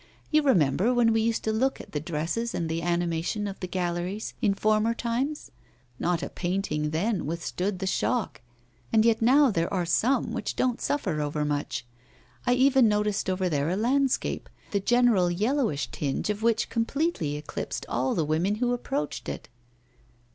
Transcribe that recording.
You remember when we used to look at the dresses and the animation of the galleries in former times? Not a painting then withstood the shock. And yet now there are some which don't suffer overmuch. I even noticed over there a landscape, the general yellowish tinge of which completely eclipsed all the women who approached it.